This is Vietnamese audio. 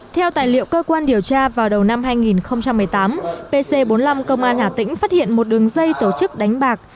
theo tài liệu cơ quan điều tra vào đầu năm hai nghìn một mươi tám pc bốn mươi năm công an hà tĩnh phát hiện một đường dây tổ chức đánh bạc